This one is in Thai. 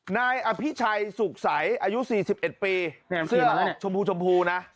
นายอภิชัยสุขสัยอายุ๔๑ปีเสื้อชมพูนะ